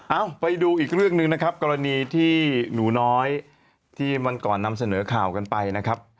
เอ้าไปดูอีกเรื่องหนึ่งนะครับกรณีที่หนูน้อยที่วันก่อนนำเสนอข่าวกันไปนะครับ